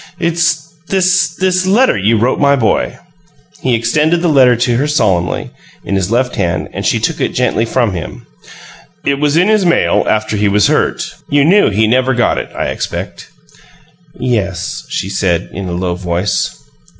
It's this this letter you wrote my boy." He extended the letter to her solemnly, in his left hand, and she took it gently from him. "It was in his mail, after he was hurt. You knew he never got it, I expect." "Yes," she said, in a low voice.